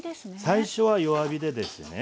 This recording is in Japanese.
最初は弱火でですね